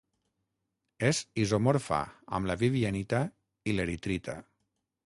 És isomorfa amb la vivianita i l'eritrita.